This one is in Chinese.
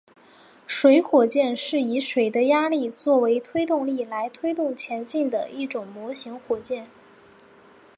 水火箭是以水的压力作为推动力来推动前进的一种模型火箭。